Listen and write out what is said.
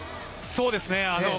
そうですね。